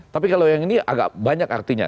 tapi kalau yang ini agak banyak artinya